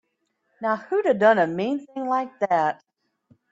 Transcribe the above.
Now who'da done a mean thing like that?